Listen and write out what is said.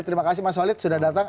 terima kasih mas walid sudah datang